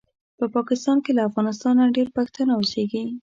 په پاکستان کې له افغانستانه ډېر پښتانه اوسیږي